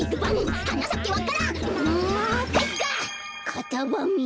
カタバミ！